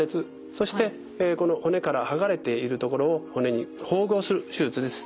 そしてこの骨から剥がれている所を骨に縫合する手術です。